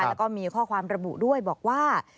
แล้วก็มีข้อความระบุด้วยบอกว่า